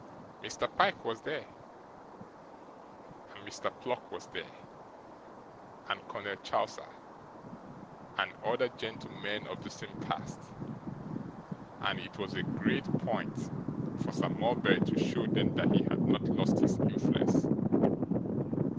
Mr. Pyke was there, and Mr. Pluck was there, and Colonel Chowser, and other gentlemen of the same caste, and it was a great point for Sir Mulberry to show them that he had not lost his influence.